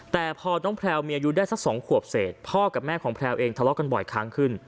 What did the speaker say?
แต่พอน้องแพลวมีอายุได้สัก๒ขวบเศษพ่อกับแม่ของแพลวเองทะเลาะกันบ่อยครั้งขึ้น